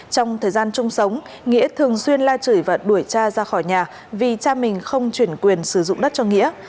trong thời gian chung sống nghĩa thường xuyên la chửi và đuổi cha ra khỏi nhà vì cha mình không chuyển quyền sử dụng đất cho nghĩa